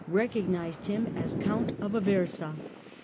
recognized him as Count of Aversa.